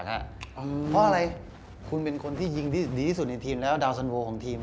เพราะอะไรคุณเป็นคนที่ยิงที่ดีที่สุดในทีมแล้วดาวสันโวของทีม